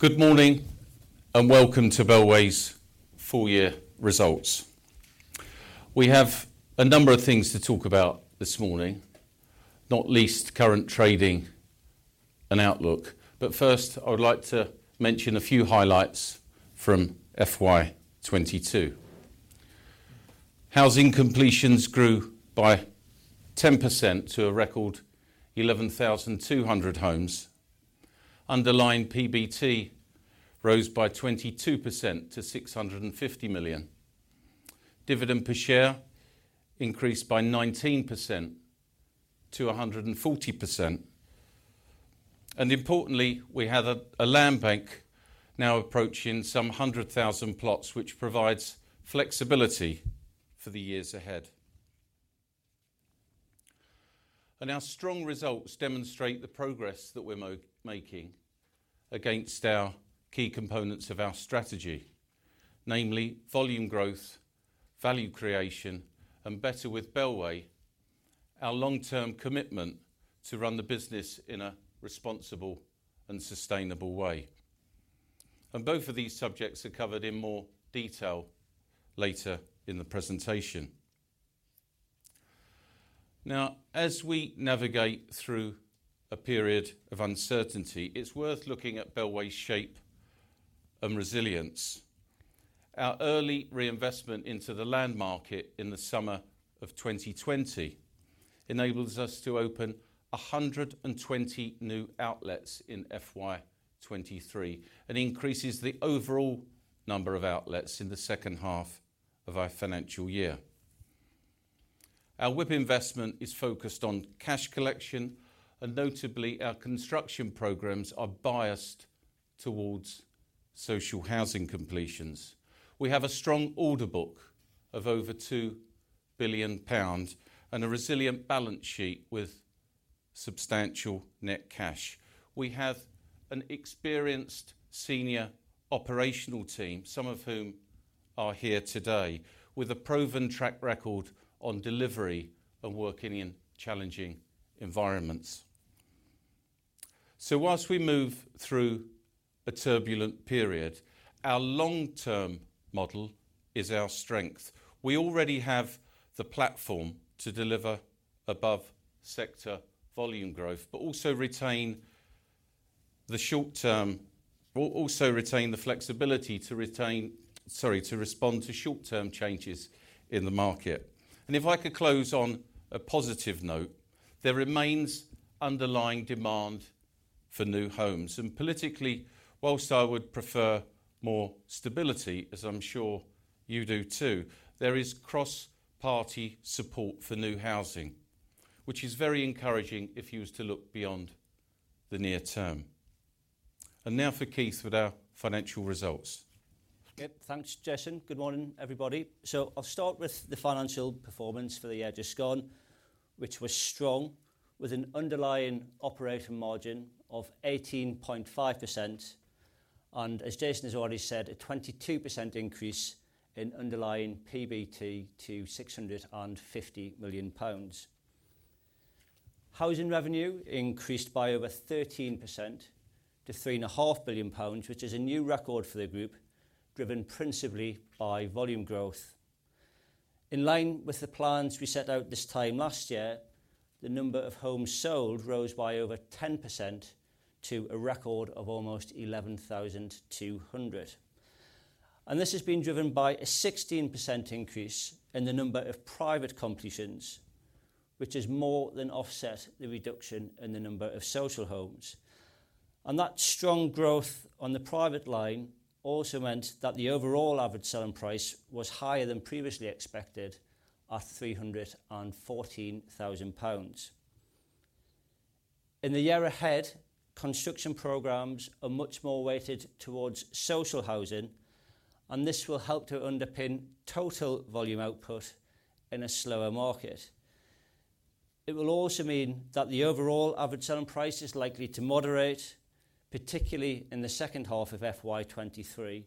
Good morning, and welcome to Bellway's full year results. We have a number of things to talk about this morning, not least current trading and outlook. First, I would like to mention a few highlights from FY 2022. Housing completions grew by 10% to a record 11,200 homes. Underlying PBT rose by 22% to 650 million. Dividend per share increased by 19% to 140%. Importantly, we have a land bank now approaching some 100,000 plots which provides flexibility for the years ahead. Our strong results demonstrate the progress that we're making against our key components of our strategy. Namely, volume growth, value creation and Better with Bellway, our long-term commitment to run the business in a responsible and sustainable way. Both of these subjects are covered in more detail later in the presentation. Now, as we navigate through a period of uncertainty, it's worth looking at Bellway's shape and resilience. Our early reinvestment into the land market in the summer of 2020 enables us to open 120 new outlets in FY 2023 and increases the overall number of outlets in the second half of our financial year. Our WIP investment is focused on cash collection and notably, our construction programs are biased towards social housing completions. We have a strong order book of over 2 billion pounds and a resilient balance sheet with substantial net cash. We have an experienced senior operational team, some of whom are here today, with a proven track record on delivery and working in challenging environments. While we move through a turbulent period, our long-term model is our strength. We already have the platform to deliver above sector volume growth, but also retain the flexibility to respond to short-term changes in the market. If I could close on a positive note. There remains underlying demand for new homes. Politically, whilst I would prefer more stability, as I'm sure you do too, there is cross-party support for new housing, which is very encouraging if you was to look beyond the near term. Now for Keith with our financial results. Yep. Thanks, Jason. Good morning, everybody. I'll start with the financial performance for the year just gone, which was strong, with an underlying operating margin of 18.5% and, as Jason has already said, a 22% increase in underlying PBT to 650 million pounds. Housing revenue increased by over 13% to 3.5 billion pounds, which is a new record for the group, driven principally by volume growth. In line with the plans we set out this time last year, the number of homes sold rose by over 10% to a record of almost 11,200. This has been driven by a 16% increase in the number of private completions, which has more than offset the reduction in the number of social homes. That strong growth on the private line also meant that the overall average selling price was higher than previously expected at 314,000 pounds. In the year ahead, construction programs are much more weighted towards social housing, and this will help to underpin total volume output in a slower market. It will also mean that the overall average selling price is likely to moderate, particularly in the second half of FY 2023,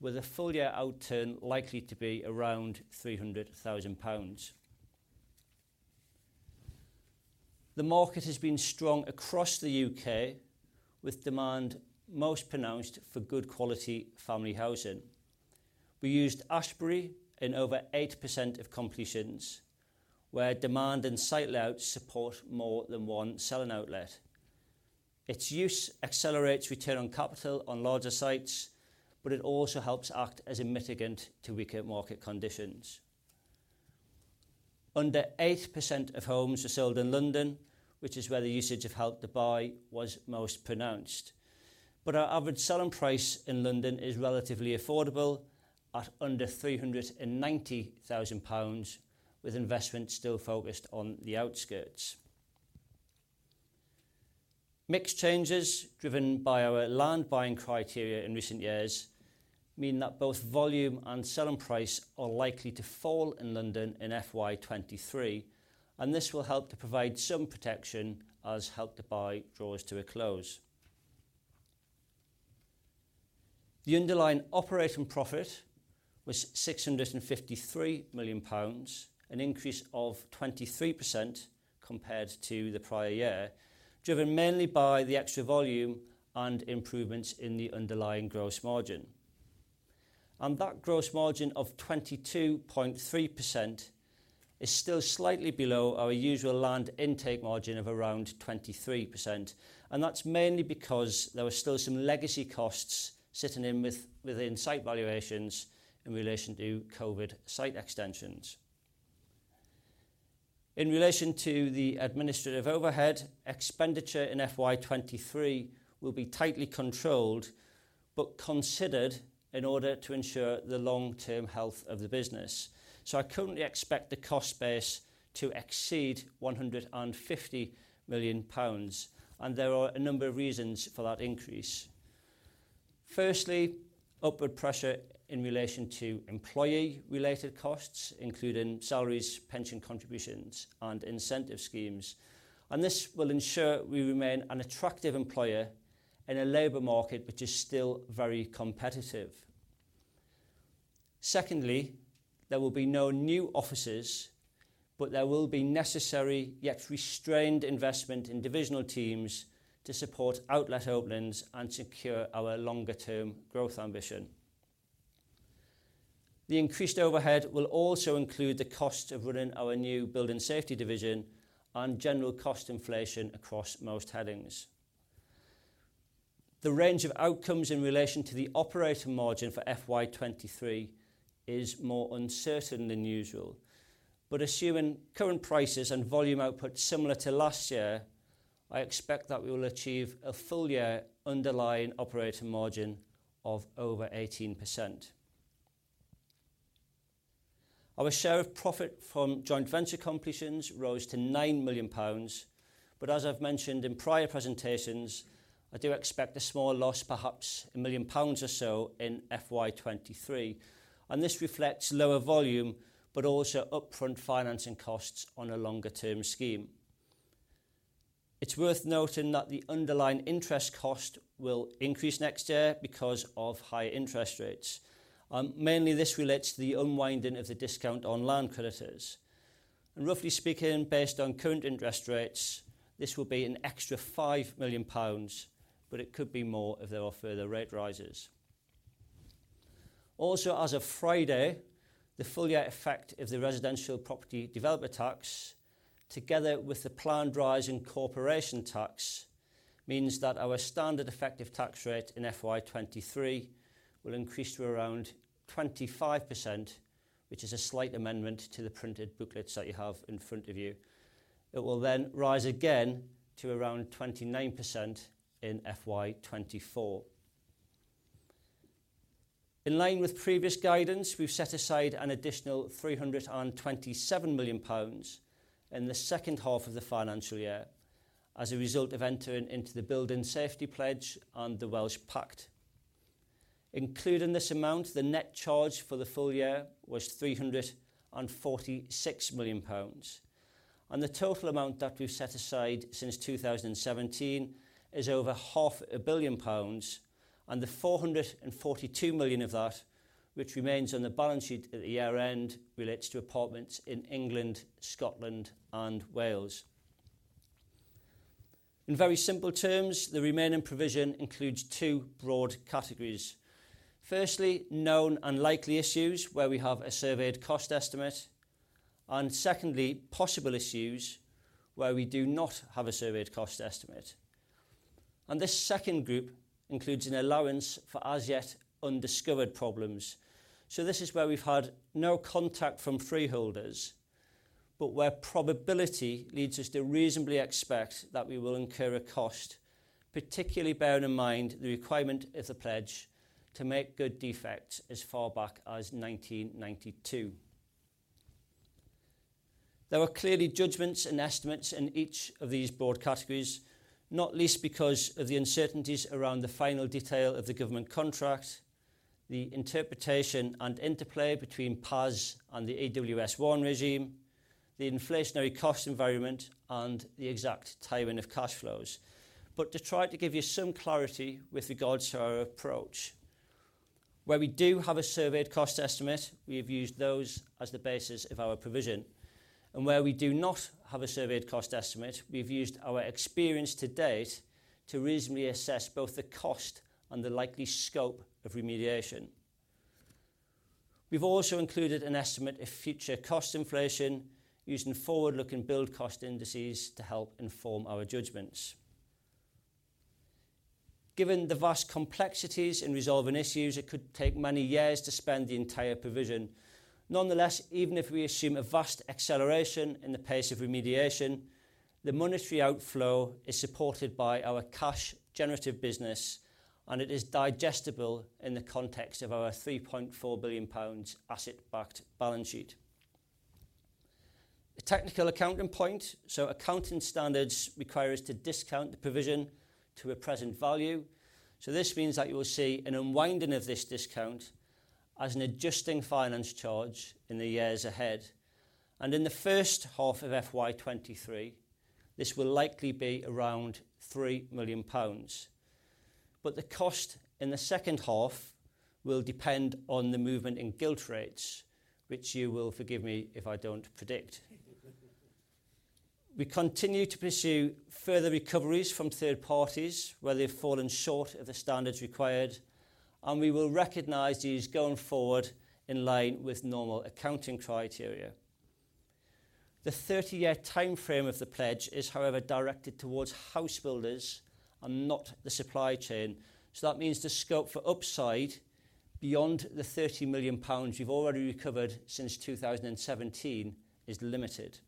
with a full year outturn likely to be around 300,000 pounds. The market has been strong across the U.K., with demand most pronounced for good quality family housing. We used Ashberry in over 8% of completions, where demand and site layout support more than one selling outlet. Its use accelerates return on capital on larger sites, but it also helps act as a mitigant to weaker market conditions. Under 8% of homes were sold in London, which is where the usage of Help to Buy was most pronounced. Our average selling price in London is relatively affordable at under 390,000 pounds, with investment still focused on the outskirts. Mix changes driven by our land buying criteria in recent years mean that both volume and selling price are likely to fall in London in FY 2023, and this will help to provide some protection as Help to Buy draws to a close. The underlying operating profit was 653 million pounds, an increase of 23% compared to the prior year, driven mainly by the extra volume and improvements in the underlying gross margin. That gross margin of 22.3% is still slightly below our usual land intake margin of around 23%, and that's mainly because there are still some legacy costs sitting in within site valuations in relation to COVID site extensions. In relation to the administrative overhead, expenditure in FY 2023 will be tightly controlled but considered in order to ensure the long-term health of the business. I currently expect the cost base to exceed 150 million pounds, and there are a number of reasons for that increase. Firstly, upward pressure in relation to employee-related costs, including salaries, pension contributions, and incentive schemes. This will ensure we remain an attractive employer in a labor market which is still very competitive. Secondly, there will be no new offices, but there will be necessary, yet restrained investment in divisional teams to support outlet openings and secure our longer-term growth ambition. The increased overhead will also include the cost of running our new building safety division and general cost inflation across most headings. The range of outcomes in relation to the operating margin for FY 2023 is more uncertain than usual. Assuming current prices and volume output similar to last year, I expect that we will achieve a full year underlying operating margin of over 18%. Our share of profit from joint venture completions rose to 9 million pounds. As I've mentioned in prior presentations, I do expect a small loss, perhaps 1 million pounds or so in FY 2023, and this reflects lower volume, but also upfront financing costs on a longer-term scheme. It's worth noting that the underlying interest cost will increase next year because of higher interest rates. Mainly this relates to the unwinding of the discount on land creditors. Roughly speaking, based on current interest rates, this will be an extra 5 million pounds, but it could be more if there are further rate rises. Also, as of Friday, the full year effect of the Residential Property Developer Tax, together with the planned rise in corporation tax, means that our standard effective tax rate in FY 2023 will increase to around 25%, which is a slight amendment to the printed booklets that you have in front of you. It will then rise again to around 29% in FY 2024. In line with previous guidance, we've set aside an additional 327 million pounds in the second half of the financial year as a result of entering into the Building Safety Pledge and the Welsh Pact. Included in this amount, the net charge for the full year was 346 million pounds. The total amount that we've set aside since 2017 is over half a billion pounds, and the 442 million of that which remains on the balance sheet at the year-end relates to apartments in England, Scotland, and Wales. In very simple terms, the remaining provision includes two broad categories. Firstly, known and likely issues where we have a surveyed cost estimate, and secondly, possible issues where we do not have a surveyed cost estimate. This second group includes an allowance for as yet undiscovered problems. This is where we've had no contact from freeholders, but where probability leads us to reasonably expect that we will incur a cost, particularly bearing in mind the requirement of the pledge to make good defects as far back as 1992. There are clearly judgments and estimates in each of these broad categories, not least because of the uncertainties around the final detail of the government contract, the interpretation and interplay between PAS and the EWS1 regime, the inflationary cost environment, and the exact timing of cash flows. To try to give you some clarity with regards to our approach. Where we do have a surveyed cost estimate, we have used those as the basis of our provision. Where we do not have a surveyed cost estimate, we've used our experience to date to reasonably assess both the cost and the likely scope of remediation. We've also included an estimate of future cost inflation using forward-looking build cost indices to help inform our judgments. Given the vast complexities in resolving issues, it could take many years to spend the entire provision. Nonetheless, even if we assume a vast acceleration in the pace of remediation, the monetary outflow is supported by our cash generative business, and it is digestible in the context of our 3.4 billion pounds asset-backed balance sheet. A technical accounting point. Accounting standards require us to discount the provision to a present value. This means that you will see an unwinding of this discount as an adjusting finance charge in the years ahead. In the first half of FY 2023, this will likely be around 3 million pounds. The cost in the second half will depend on the movement in gilt rates, which you will forgive me if I don't predict. We continue to pursue further recoveries from third parties where they've fallen short of the standards required, and we will recognize these going forward in line with normal accounting criteria. The 30-year timeframe of the pledge is, however, directed towards house builders and not the supply chain. That means the scope for upside beyond the 30 million pounds we've already recovered since 2017 is limited.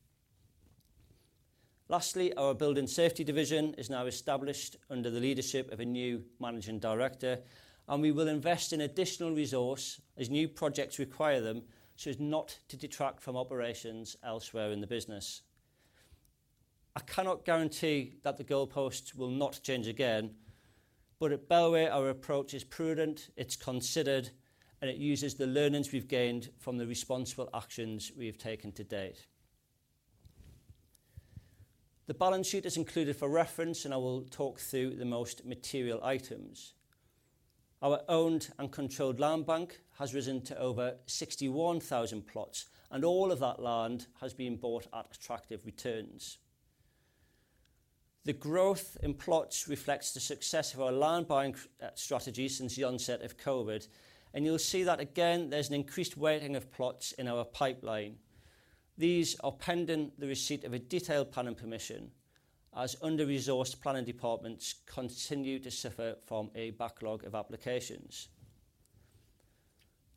Lastly, our building safety division is now established under the leadership of a new managing director, and we will invest in additional resource as new projects require them, so as not to detract from operations elsewhere in the business. I cannot guarantee that the goalposts will not change again, but at Bellway, our approach is prudent, it's considered, and it uses the learnings we've gained from the responsible actions we have taken to date. The balance sheet is included for reference, and I will talk through the most material items. Our owned and controlled land bank has risen to over 61,000 plots, and all of that land has been bought at attractive returns. The growth in plots reflects the success of our land buying strategy since the onset of COVID, and you'll see that again, there's an increased weighting of plots in our pipeline. These are pending the receipt of a detailed planning permission as under-resourced planning departments continue to suffer from a backlog of applications.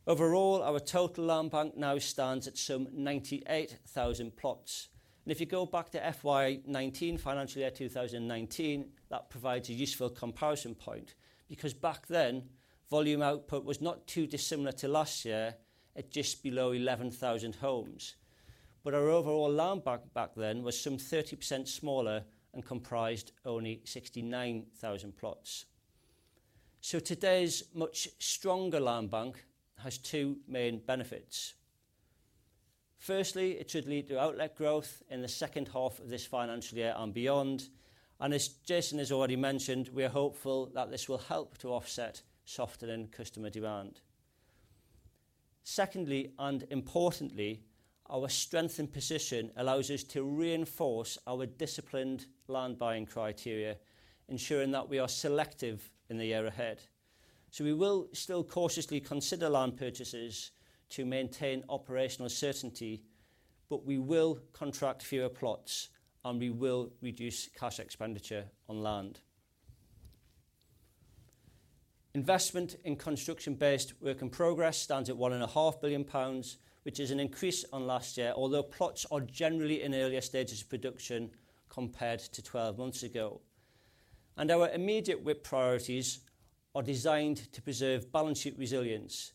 Overall, our total land bank now stands at some 98,000 plots. If you go back to FY 2019, financial year 2019, that provides a useful comparison point, because back then, volume output was not too dissimilar to last year at just below 11,000 homes. Our overall land bank back then was some 30% smaller and comprised only 69,000 plots. Today's much stronger land bank has two main benefits. Firstly, it should lead to outlet growth in the second half of this financial year and beyond, and as Jason has already mentioned, we are hopeful that this will help to offset softer customer demand. Secondly, and importantly, our strengthened position allows us to reinforce our disciplined land buying criteria, ensuring that we are selective in the year ahead. We will still cautiously consider land purchases to maintain operational certainty, but we will contract fewer plots, and we will reduce cash expenditure on land. Investment in construction-based work in progress stands at one and a half billion pounds, which is an increase on last year, although plots are generally in earlier stages of production compared to 12 months ago. Our immediate WIP priorities are designed to preserve balance sheet resilience.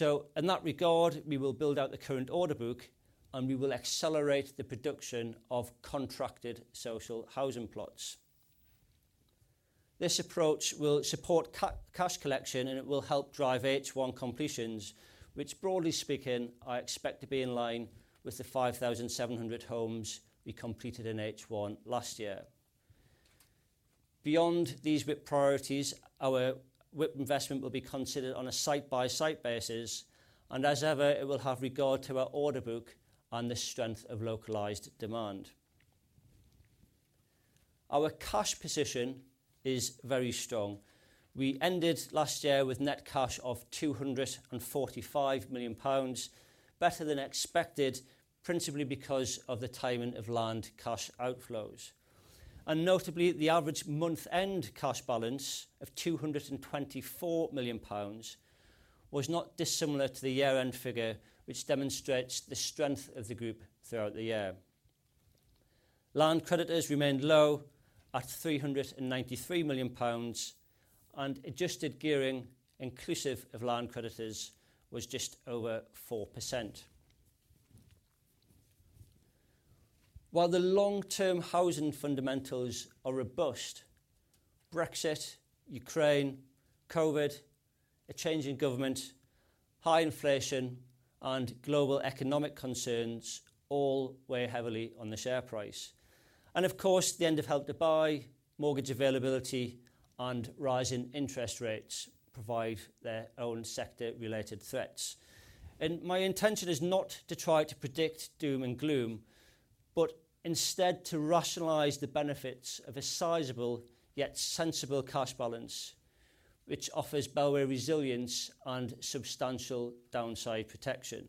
In that regard, we will build out the current order book, and we will accelerate the production of contracted social housing plots. This approach will support cash collection, and it will help drive H1 completions, which broadly speaking, I expect to be in line with the 5,700 homes we completed in H1 last year. Beyond these WIP priorities, our WIP investment will be considered on a site-by-site basis, and as ever, it will have regard to our order book and the strength of localized demand. Our cash position is very strong. We ended last year with net cash of 245 million pounds, better than expected, principally because of the timing of land cash outflows. Notably, the average month-end cash balance of 224 million pounds was not dissimilar to the year-end figure, which demonstrates the strength of the group throughout the year. Land creditors remained low at 393 million pounds, and adjusted gearing inclusive of land creditors was just over 4%. While the long-term housing fundamentals are robust, Brexit, Ukraine, COVID, a change in government, high inflation and global economic concerns all weigh heavily on the share price. Of course, the end of Help to Buy, mortgage availability and rise in interest rates provide their own sector related threats. My intention is not to try to predict doom and gloom, but instead to rationalize the benefits of a sizable, yet sensible cash balance, which offers Bellway resilience and substantial downside protection.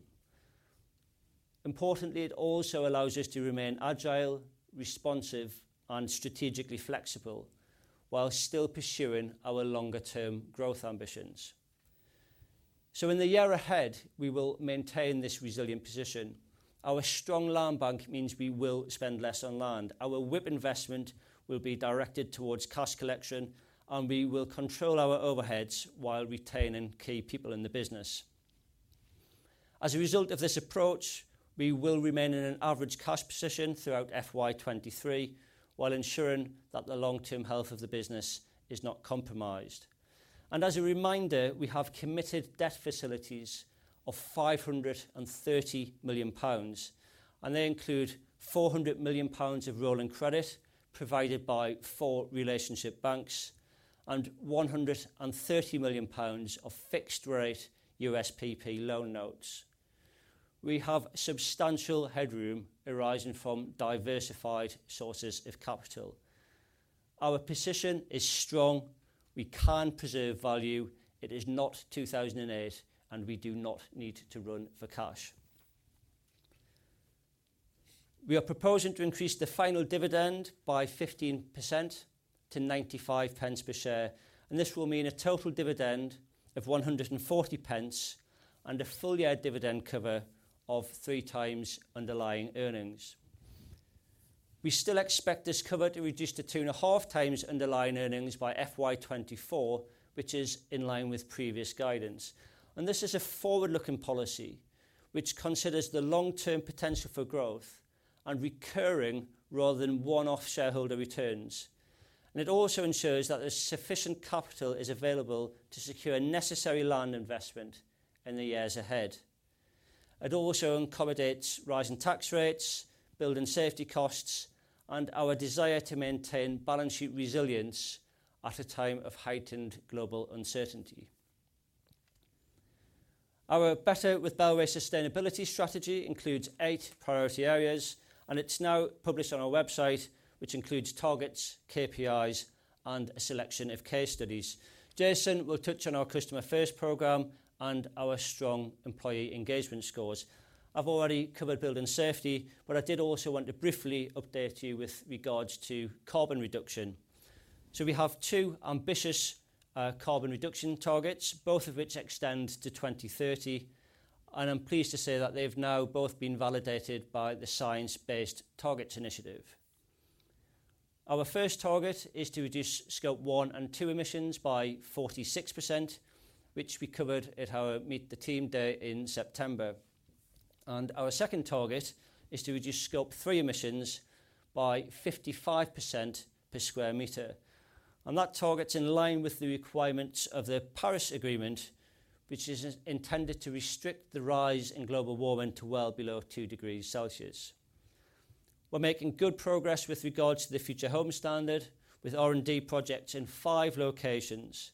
Importantly, it also allows us to remain agile, responsive and strategically flexible while still pursuing our longer term growth ambitions. In the year ahead, we will maintain this resilient position. Our strong land bank means we will spend less on land. Our WIP investment will be directed towards cash collection, and we will control our overheads while retaining key people in the business. As a result of this approach, we will remain in an average cash position throughout FY 2023, while ensuring that the long-term health of the business is not compromised. As a reminder, we have committed debt facilities of 530 million pounds, and they include 400 million pounds of rolling credit provided by four relationship banks and 130 million pounds of fixed rate USPP loan notes. We have substantial headroom arising from diversified sources of capital. Our position is strong. We can preserve value. It is not 2008, and we do not need to run for cash. We are proposing to increase the final dividend by 15% to 95 pence per share, and this will mean a total dividend of 140 pence and a full year dividend cover of three times underlying earnings. We still expect this cover to reduce to 2.5 times underlying earnings by FY 2024, which is in line with previous guidance. This is a forward-looking policy which considers the long-term potential for growth and recurring rather than one-off shareholder returns. It also ensures that there's sufficient capital available to secure necessary land investment in the years ahead. It also accommodates rising tax rates, building safety costs, and our desire to maintain balance sheet resilience at a time of heightened global uncertainty. Our Better with Bellway sustainability strategy includes eight priority areas, and it's now published on our website, which includes targets, KPIs, and a selection of case studies. Jason will touch on our Customer First program and our strong employee engagement scores. I've already covered building safety, but I did also want to briefly update you with regards to carbon reduction. We have two ambitious carbon reduction targets, both of which extend to 2030. I'm pleased to say that they've now both been validated by the Science Based Targets initiative. Our first target is to reduce Scope one and two emissions by 46%, which we covered at our Meet the Team Day in September. Our second target is to reduce Scope three emissions by 55% per square meter. That target's in line with the requirements of the Paris Agreement, which is intended to restrict the rise in global warming to well below two degrees Celsius. We're making good progress with regards to the Future Homes Standard with R&D projects in five locations.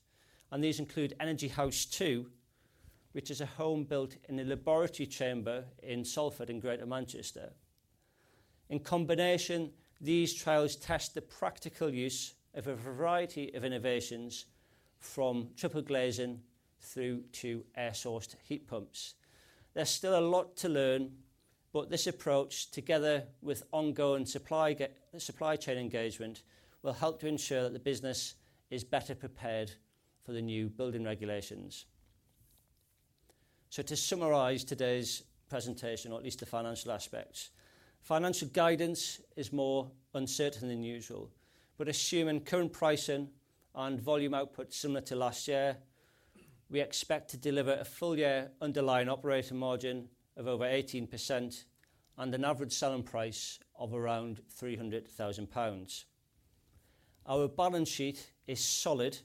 These include Energy House two, which is a home built in a laboratory chamber in Salford in Greater Manchester. In combination, these trials test the practical use of a variety of innovations from triple glazing through to air source heat pumps. There's still a lot to learn, but this approach, together with ongoing supply chain engagement, will help to ensure that the business is better prepared for the new building regulations. To summarize today's presentation, or at least the financial aspects. Financial guidance is more uncertain than usual, but assuming current pricing and volume output similar to last year, we expect to deliver a full year underlying operating margin of over 18% and an average selling price of around 300,000 pounds. Our balance sheet is solid,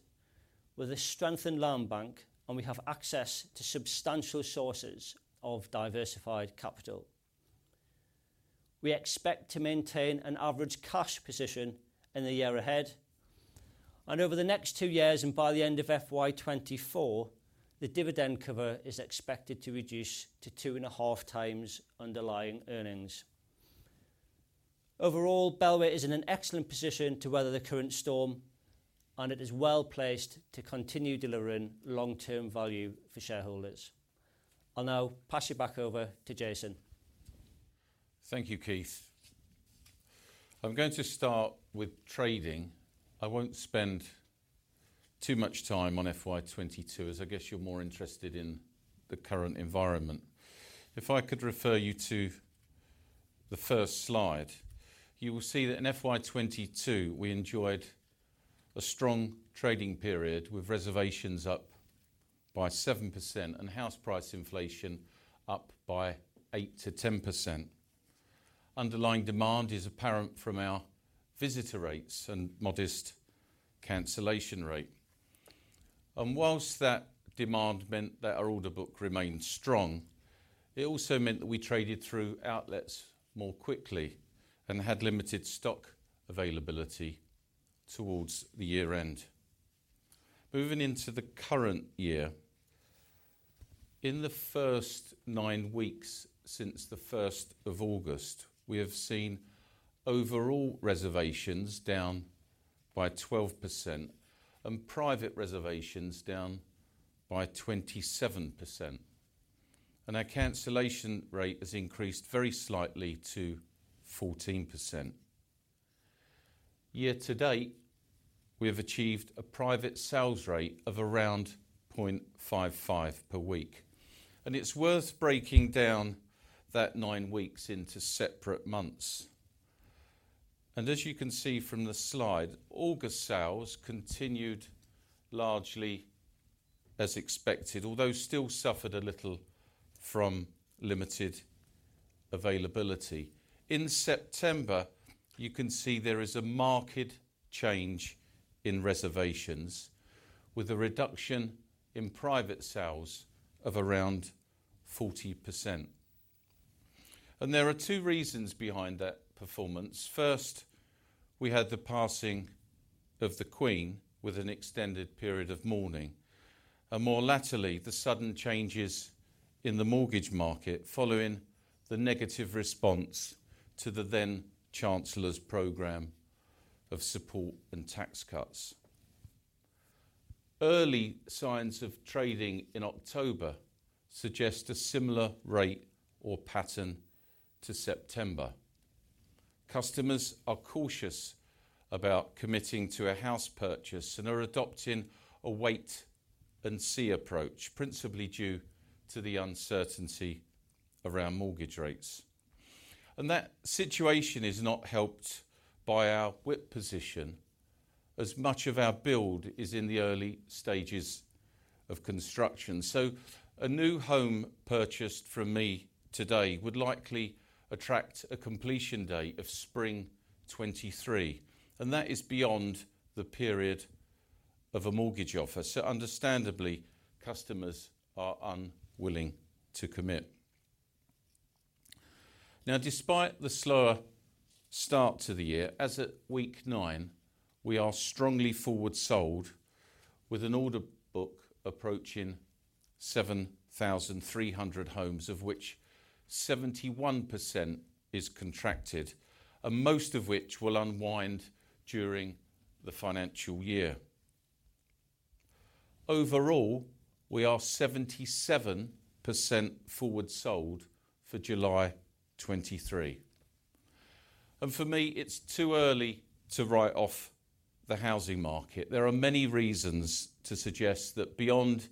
with a strengthened land bank, and we have access to substantial sources of diversified capital. We expect to maintain an average cash position in the year ahead and over the next two years and by the end of FY 2024, the dividend cover is expected to reduce to two and a half times underlying earnings. Overall, Bellway is in an excellent position to weather the current storm, and it is well placed to continue delivering long-term value for shareholders. I'll now pass you back over to Jason. Thank you, Keith. I'm going to start with trading. I won't spend too much time on FY 2022, as I guess you're more interested in the current environment. If I could refer you to the first slide, you will see that in FY 2022, we enjoyed a strong trading period with reservations up by 7% and house price inflation up by 8%-10%. Underlying demand is apparent from our visitor rates and modest cancellation rate. While that demand meant that our order book remained strong, it also meant that we traded through outlets more quickly and had limited stock availability towards the year end. Moving into the current year. In the first 9 weeks since August 1, we have seen overall reservations down by 12% and private reservations down by 27%. Our cancellation rate has increased very slightly to 14%. Year to date, we have achieved a private sales rate of around 0.55 per week. It's worth breaking down that 9 weeks into separate months. As you can see from the slide, August sales continued largely as expected, although still suffered a little from limited availability. In September, you can see there is a marked change in reservations with a reduction in private sales of around 40%. There are two reasons behind that performance. First, we had the passing of the Queen with an extended period of mourning. More latterly, the sudden changes in the mortgage market following the negative response to the then Chancellor's program of support and tax cuts. Early signs of trading in October suggest a similar rate or pattern to September. Customers are cautious about committing to a house purchase and are adopting a wait and see approach, principally due to the uncertainty around mortgage rates. That situation is not helped by our WIP position as much of our build is in the early stages of construction. A new home purchased from me today would likely attract a completion date of spring 2023, and that is beyond the period of a mortgage offer. Understandably, customers are unwilling to commit. Now, despite the slower start to the year, as at week nine, we are strongly forward sold with an order book approaching 7,300 homes, of which 71% is contracted, and most of which will unwind during the financial year. Overall, we are 77% forward sold for July 2023. For me, it's too early to write off the housing market. There are many reasons to suggest that beyond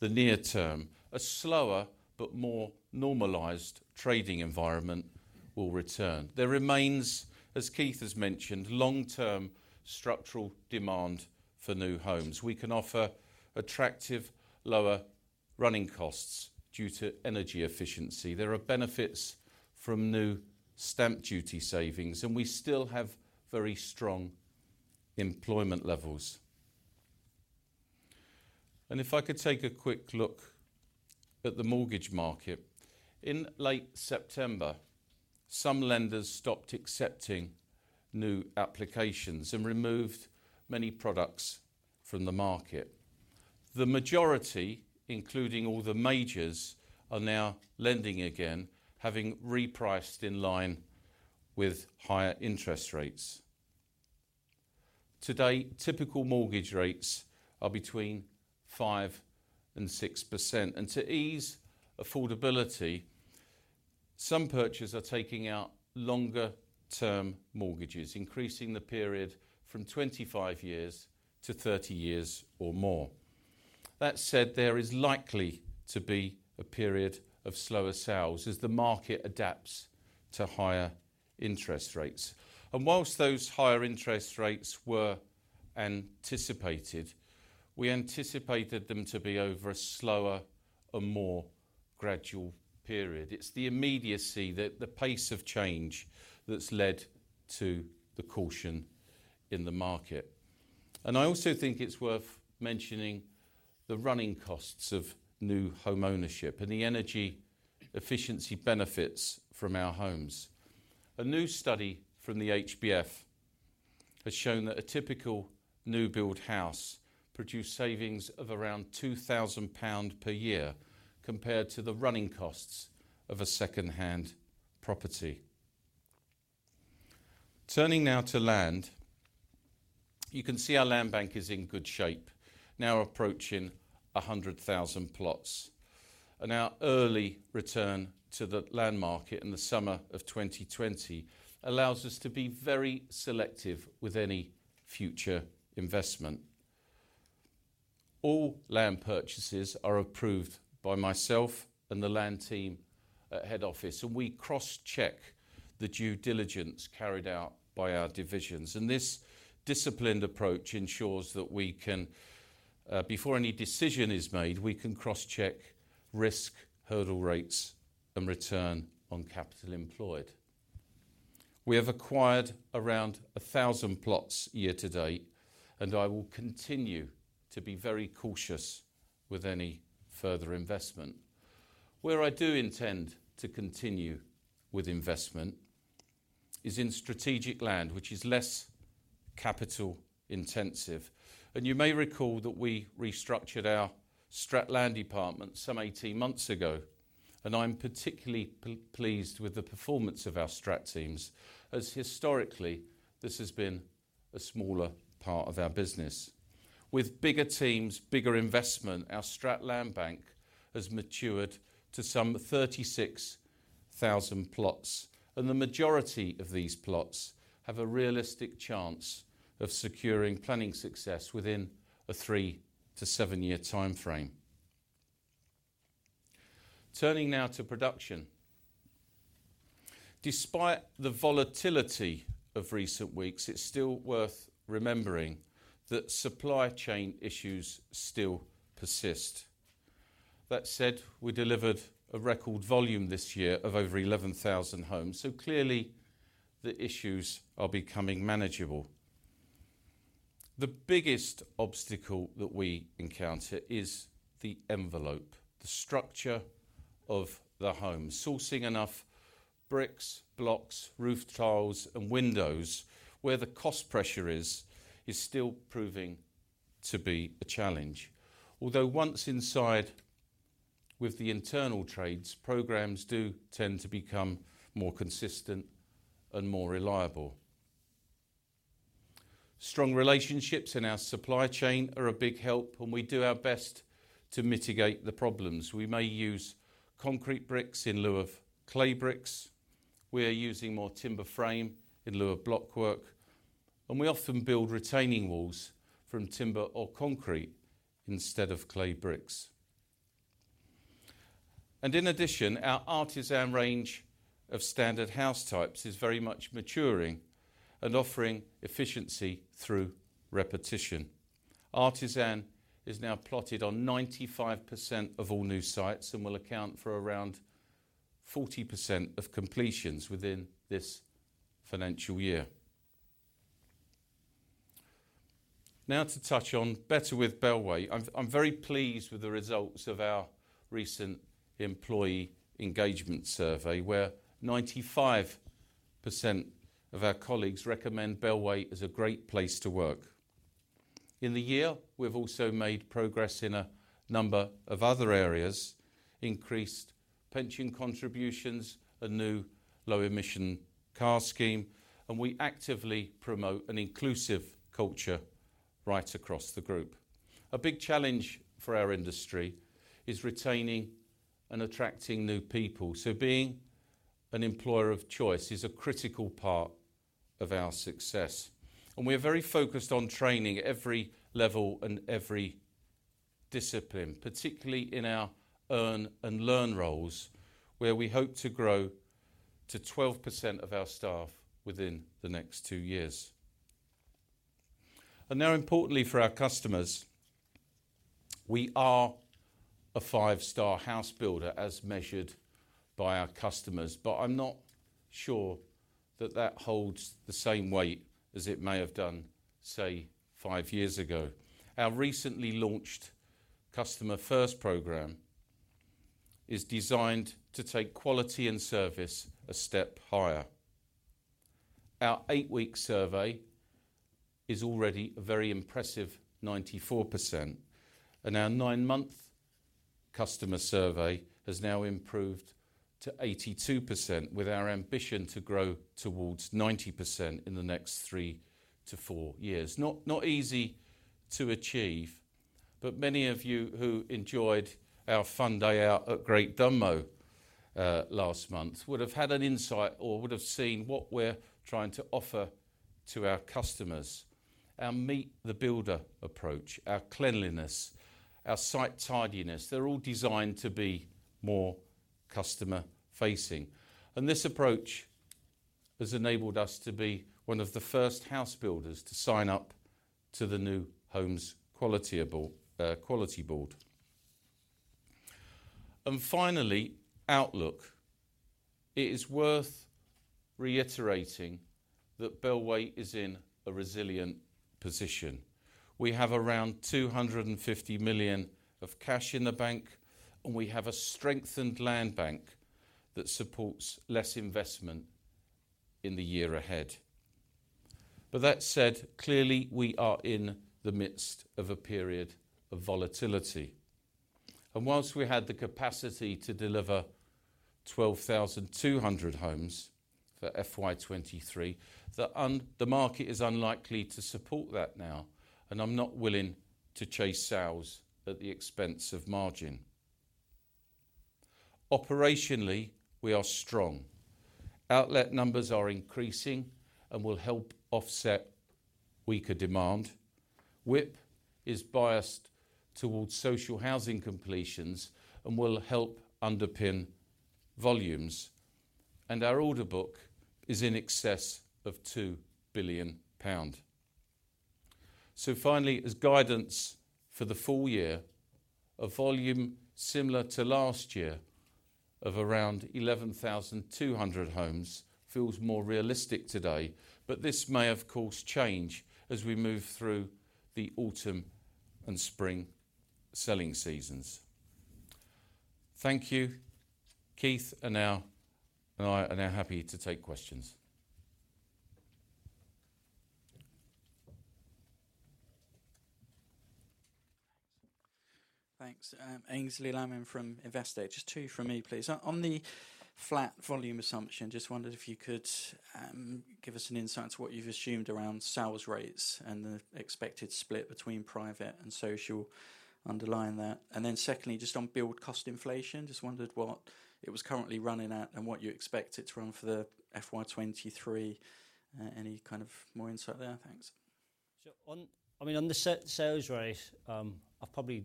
the near term, a slower but more normalized trading environment will return. There remains, as Keith has mentioned, long-term structural demand for new homes. We can offer attractive lower running costs due to energy efficiency. There are benefits from new stamp duty savings, and we still have very strong employment levels. If I could take a quick look at the mortgage market. In late September, some lenders stopped accepting new applications and removed many products from the market. The majority, including all the majors, are now lending again, having repriced in line with higher interest rates. Today, typical mortgage rates are between 5% and 6%. To ease affordability, some purchasers are taking out longer term mortgages, increasing the period from 25 years to 30 years or more. That said, there is likely to be a period of slower sales as the market adapts to higher interest rates. Whilst those higher interest rates were anticipated, we anticipated them to be over a slower and more gradual period. It's the immediacy, the pace of change that's led to the caution in the market. I also think it's worth mentioning the running costs of new home ownership and the energy efficiency benefits from our homes. A new study from the HBF has shown that a typical new build house produce savings of around £2,000 per year compared to the running costs of a second-hand property. Turning now to land. You can see our land bank is in good shape, now approaching 100,000 plots. Our early return to the land market in the summer of 2020 allows us to be very selective with any future investment. All land purchases are approved by myself and the land team at head office, and we cross-check the due diligence carried out by our divisions. This disciplined approach ensures that we can, before any decision is made, we can cross-check risk hurdle rates and return on capital employed. We have acquired around 1000 plots year to date, and I will continue to be very cautious with any further investment. Where I do intend to continue with investment is in strategic land, which is less capital intensive. You may recall that we restructured our strat land department some 18 months ago, and I'm particularly pleased with the performance of our strat teams as historically this has been a smaller part of our business. With bigger teams, bigger investment, our strategic land bank has matured to some 36,000 plots, and the majority of these plots have a realistic chance of securing planning success within a 3- to 7-year time frame. Turning now to production. Despite the volatility of recent weeks, it's still worth remembering that supply chain issues still persist. That said, we delivered a record volume this year of over 11,000 homes, so clearly the issues are becoming manageable. The biggest obstacle that we encounter is the envelope, the structure of the home. Sourcing enough bricks, blocks, roof tiles, and windows where the cost pressure is still proving to be a challenge. Although once inside with the internal trades, programs do tend to become more consistent and more reliable. Strong relationships in our supply chain are a big help, and we do our best to mitigate the problems. We may use concrete bricks in lieu of clay bricks. We are using more timber frame in lieu of block work. We often build retaining walls from timber or concrete instead of clay bricks. In addition, our Artisan range of standard house types is very much maturing and offering efficiency through repetition. Artisan is now plotted on 95% of all new sites and will account for around 40% of completions within this financial year. Now to touch on Better with Bellway. I'm very pleased with the results of our recent employee engagement survey, where 95% of our colleagues recommend Bellway as a great place to work. In the year, we've also made progress in a number of other areas, increased pension contributions, a new low emission car scheme, and we actively promote an inclusive culture right across the group. A big challenge for our industry is retaining and attracting new people, so being an employer of choice is a critical part of our success. We are very focused on training every level and every discipline, particularly in our earn and learn roles where we hope to grow to 12% of our staff within the next two years. Now importantly for our customers, we are a five-star house builder as measured by our customers, but I'm not sure that that holds the same weight as it may have done, say, five years ago. Our recently launched Customer First program is designed to take quality and service a step higher. Our eight-week survey is already a very impressive 94%, and our nine-month customer survey has now improved to 82% with our ambition to grow towards 90% in the next three to four years. Not easy to achieve, but many of you who enjoyed our fun day out at Great Dunmow last month would have had an insight or would have seen what we're trying to offer to our customers. Our meet the builder approach, our cleanliness, our site tidiness, they're all designed to be more customer facing. This approach has enabled us to be one of the first house builders to sign up to the New Homes Quality Board. Finally, outlook. It is worth reiterating that Bellway is in a resilient position. We have around 250 million of cash in the bank, and we have a strengthened land bank that supports less investment in the year ahead. That said, clearly we are in the midst of a period of volatility. While we had the capacity to deliver 12,200 homes for FY 2023, the market is unlikely to support that now, and I'm not willing to chase sales at the expense of margin. Operationally, we are strong. Outlet numbers are increasing and will help offset weaker demand. WIP is biased towards social housing completions and will help underpin volumes. Our order book is in excess of 2 billion pound. Finally, as guidance for the full year, a volume similar to last year of around 11,200 homes feels more realistic today. This may of course change as we move through the autumn and spring selling seasons. Thank you. Keith and I are now happy to take questions. Thanks. Aynsley Lammin from Investec. Just two from me, please. On the flat volume assumption, just wondered if you could give us an insight into what you've assumed around sales rates and the expected split between private and social underlying that. Then secondly, just on build cost inflation, just wondered what it was currently running at and what you expect it to run for the FY 2023. Any kind of more insight there? Thanks. I mean, on the sales rate, I've probably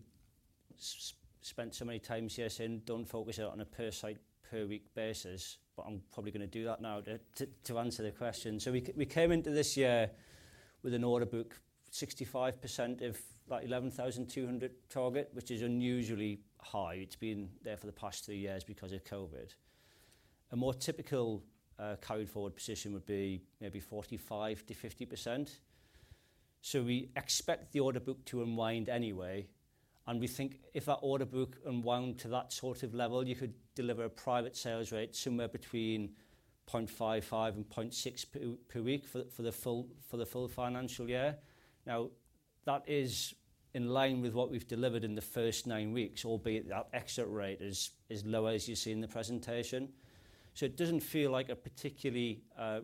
spent so many times here saying don't focus it on a per site, per week basis, but I'm probably gonna do that now to answer the question. We came into this year with an order book 65% of that 11,200 target, which is unusually high. It's been there for the past two years because of COVID. A more typical carried forward position would be maybe 45%-50%. We expect the order book to unwind anyway, and we think if that order book unwound to that sort of level, you could deliver a private sales rate somewhere between 0.55 and 0.6 per week for the full financial year. Now, that is in line with what we've delivered in the first 9 weeks, albeit that exit rate is low, as you see in the presentation. It doesn't feel like a particularly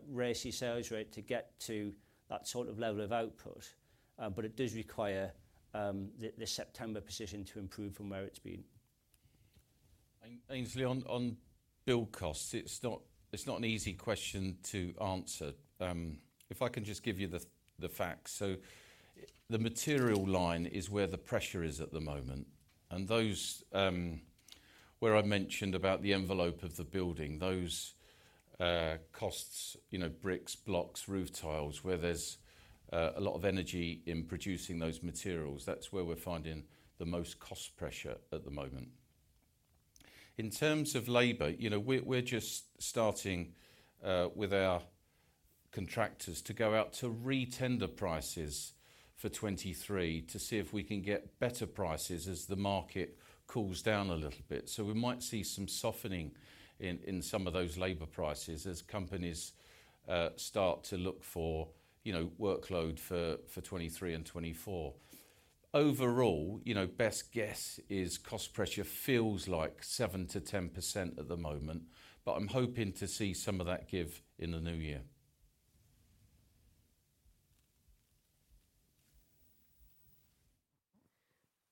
racy sales rate to get to that sort of level of output. But it does require the September position to improve from where it's been. Aynsley, on build costs, it's not an easy question to answer. If I can just give you the facts. The material line is where the pressure is at the moment and those, where I mentioned about the envelope of the building, those costs, you know, bricks, blocks, roof tiles, where there's a lot of energy in producing those materials, that's where we're finding the most cost pressure at the moment. In terms of labor, you know, we're just starting with our contractors to go out to re-tender prices for 2023 to see if we can get better prices as the market cools down a little bit. We might see some softening in some of those labor prices as companies start to look for, you know, workload for 2023 and 2024. Overall, you know, best guess is cost pressure feels like 7%-10% at the moment, but I'm hoping to see some of that give in the new year.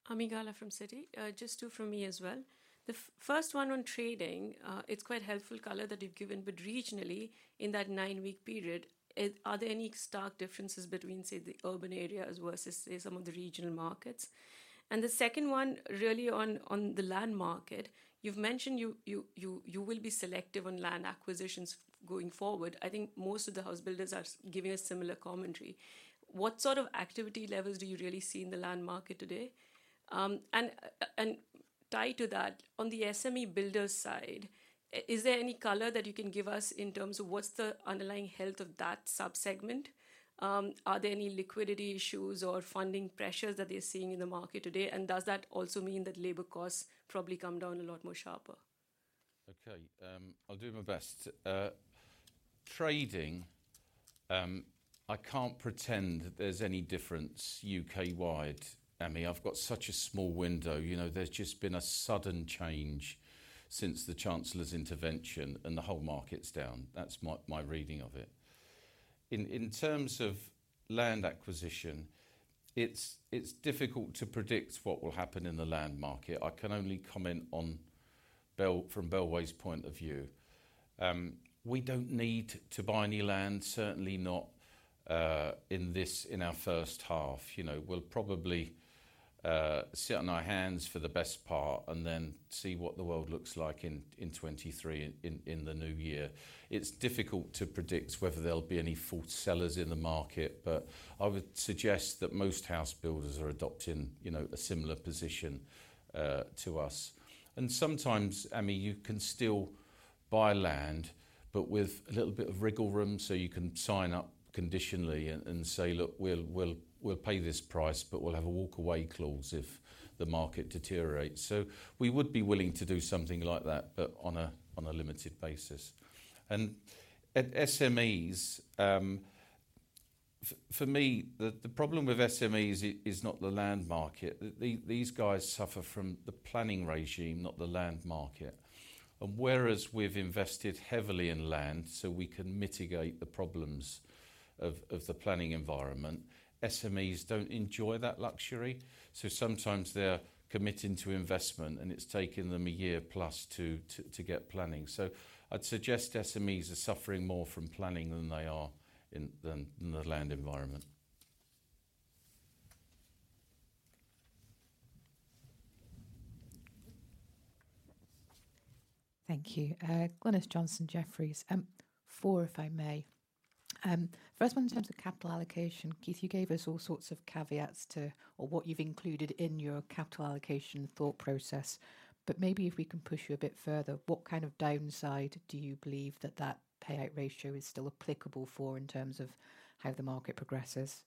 Ami Galla from Citi. Just two from me as well. The first one on trading. It's quite helpful color that you've given, but regionally in that 9-week period, are there any stark differences between, say, the urban areas versus, say, some of the regional markets? The second one really on the land market. You've mentioned you will be selective on land acquisitions going forward. I think most of the house builders are giving a similar commentary. What sort of activity levels do you really see in the land market today? Tied to that, on the SME builders side, is there any color that you can give us in terms of what's the underlying health of that subsegment? Are there any liquidity issues or funding pressures that they're seeing in the market today? Does that also mean that labor costs probably come down a lot more sharper? Okay. I'll do my best. Trading, I can't pretend that there's any difference U.K.-wide, Ami. I've got such a small window. You know, there's just been a sudden change since the Chancellor's intervention and the whole market's down. That's my reading of it. In terms of land acquisition, it's difficult to predict what will happen in the land market. I can only comment from Bellway's point of view. We don't need to buy any land, certainly not in this, our first half. You know, we'll probably sit on our hands for the best part and then see what the world looks like in 2023, in the new year. It's difficult to predict whether there'll be any forced sellers in the market. I would suggest that most house builders are adopting, you know, a similar position to us. Sometimes, Ami, you can still buy land, but with a little bit of wriggle room, so you can sign up conditionally and say, "Look, we'll pay this price, but we'll have a walk-away clause if the market deteriorates." We would be willing to do something like that, but on a limited basis. At SMEs, for me, the problem with SMEs is not the land market. These guys suffer from the planning regime, not the land market. Whereas we've invested heavily in land, so we can mitigate the problems of the planning environment, SMEs don't enjoy that luxury, so sometimes they're committing to investment, and it's taking them a year plus to get planning. I'd suggest SMEs are suffering more from planning than in the land environment. Thank you. Glynis Johnson, Jefferies. Four, if I may. First one in terms of capital allocation. Keith, you gave us all sorts of caveats to, or what you've included in your capital allocation thought process. Maybe if we can push you a bit further, what kind of downside do you believe that that payout ratio is still applicable for in terms of how the market progresses?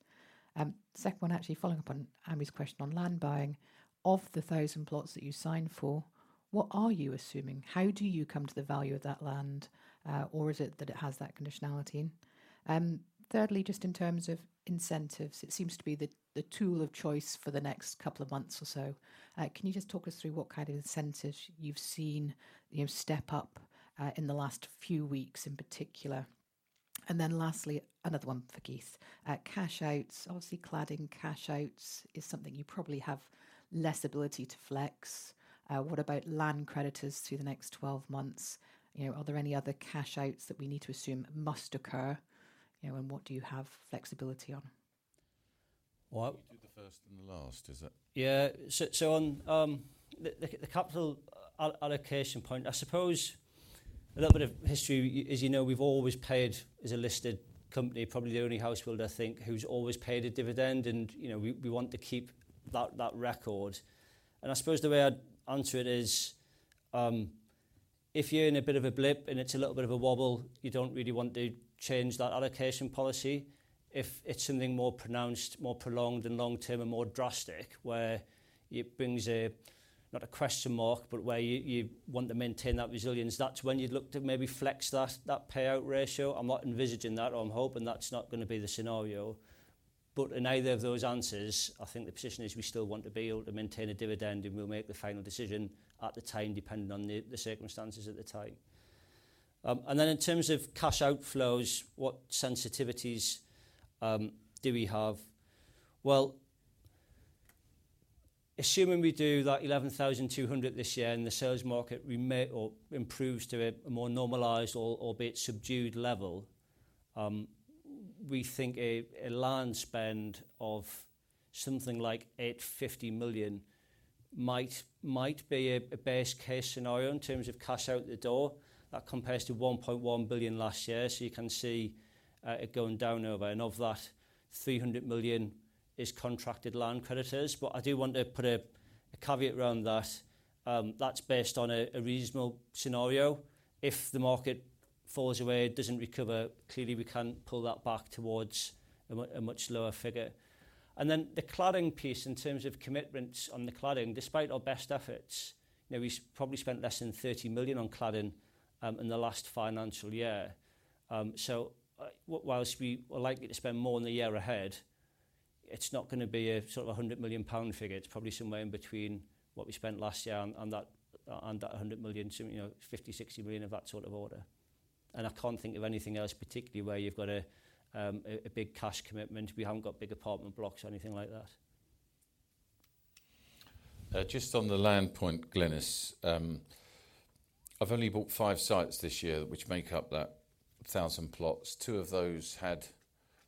Second one, actually following up on Ami's question on land buying. Of the 1,000 plots that you signed for, what are you assuming? How do you come to the value of that land, or is it that it has that conditionality? Thirdly, just in terms of incentives, it seems to be the tool of choice for the next couple of months or so. Can you just talk us through what kind of incentives you've seen, you know, step up, in the last few weeks in particular? Then lastly, another one for Keith. Cash outs. Obviously, cladding cash outs is something you probably have less ability to flex. What about land creditors through the next 12 months? You know, are there any other cash outs that we need to assume must occur, you know, and what do you have flexibility on? Well- Can you do the first and the last? Yeah. So on the capital allocation point, I suppose a little bit of history. As you know, we've always paid, as a listed company, probably the only house builder, I think, who's always paid a dividend and, you know, we want to keep that record. I suppose the way I'd answer it is, If you're in a bit of a blip and it's a little bit of a wobble, you don't really want to change that allocation policy. If it's something more pronounced, more prolonged and long-term and more drastic, where it brings a, not a question mark, but where you want to maintain that resilience, that's when you'd look to maybe flex that payout ratio. I'm not envisaging that, or I'm hoping that's not gonna be the scenario. In either of those answers, I think the position is we still want to be able to maintain a dividend, and we'll make the final decision at the time, depending on the circumstances at the time. In terms of cash outflows, what sensitivities do we have? Well, assuming we do that 11,200 this year and the sales market remains or improves to a more normalized albeit subdued level, we think a land spend of something like 850 million might be a best case scenario in terms of cash out the door. That compares to 1.1 billion last year, so you can see it going down over. Of that, 300 million is contracted land creditors. But I do want to put a caveat around that. That's based on a reasonable scenario. If the market falls away, it doesn't recover, clearly we can pull that back towards a much lower figure. The cladding piece, in terms of commitments on the cladding, despite our best efforts, you know, we probably spent less than 30 million on cladding in the last financial year. So while we are likely to spend more in the year ahead, it's not gonna be a sort of 100 million pound figure. It's probably somewhere in between what we spent last year and that 100 million, so, you know, 50 million, 60 million of that sort of order. I can't think of anything else, particularly where you've got a big cash commitment. We haven't got big apartment blocks or anything like that. Just on the land point, Glynis. I've only bought 5 sites this year which make up that 1,000 plots. Two of those had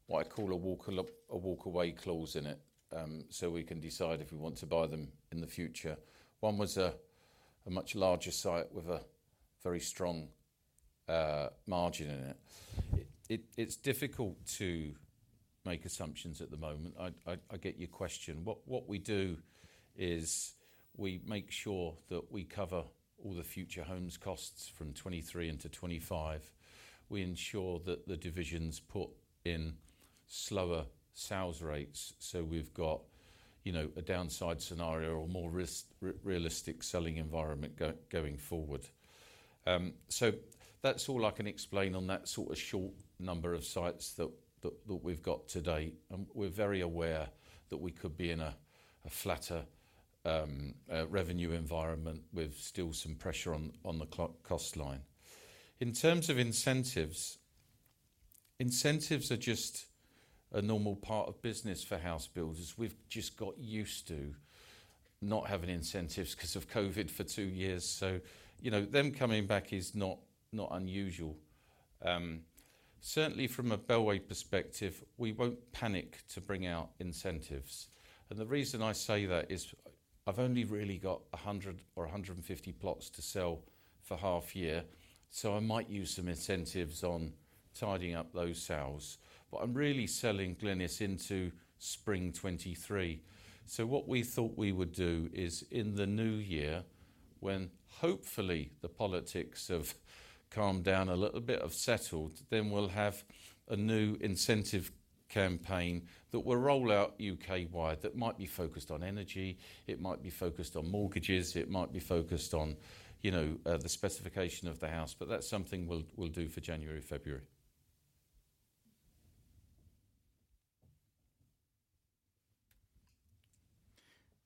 what I call a walk away clause in it, so we can decide if we want to buy them in the future. One was a much larger site with a very strong margin in it. It's difficult to make assumptions at the moment. I get your question. What we do is we make sure that we cover all the Future Homes costs from 2023 into 2025. We ensure that the divisions put in slower sales rates, so we've got, you know, a downside scenario or more risk, realistic selling environment going forward. So that's all I can explain on that sort of short number of sites that we've got to date. We're very aware that we could be in a flatter revenue environment with still some pressure on the cost line. In terms of incentives are just a normal part of business for house builders. We've just got used to not having incentives 'cause of COVID for two years, so you know, them coming back is not unusual. Certainly from a Bellway perspective, we won't panic to bring out incentives. The reason I say that is I've only really got 100 or 150 plots to sell for half year, so I might use some incentives on tidying up those sales. I'm really selling, Glynis, into spring 2023. What we thought we would do is in the new year, when hopefully the politics have calmed down a little bit, have settled, then we'll have a new incentive campaign that we'll roll out UK-wide that might be focused on energy, it might be focused on mortgages, it might be focused on, you know, the specification of the house, but that's something we'll do for January, February.